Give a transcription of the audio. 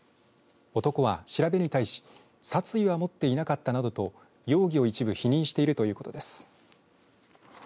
男は調べに対し殺意は持っていなかったなどと容疑を一部否認しているということです。